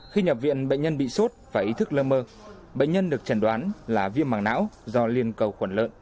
khi nhập viện bệnh nhân bị sốt và ý thức lơ mơ bệnh nhân được chẩn đoán là viêm mảng não do liên cầu khuẩn lợn